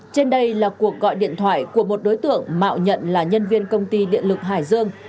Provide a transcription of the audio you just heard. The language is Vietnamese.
trên đây là cuộc gọi điện thoại của một đối tượng mạo nhận là nhân viên công ty điện lực hải dương